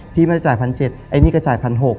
พี่ไม่ได้จ่ายพันเจ็ดไอ้นี่ก็จ่ายพันหก